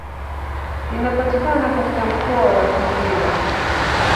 Linapatikana katika mkoa wa Singida.